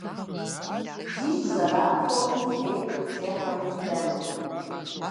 Дищӏ зэрапхъуэуи, лей къыттехьэуи ддэнукъым!